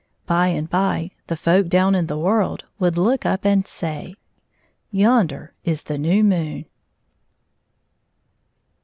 By and by the folk down in the world would look up and say, " Yonder is the new moon."